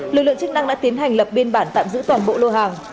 lực lượng chức năng đã tiến hành lập biên bản tạm giữ toàn bộ lô hàng